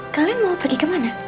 kalian mau pergi kemana